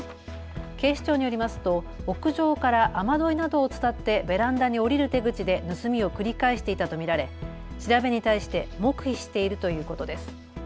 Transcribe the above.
警視庁によりますと屋上から雨どいなどを伝ってベランダに降りる手口で盗みを繰り返していたと見られ調べに対して黙秘しているということです。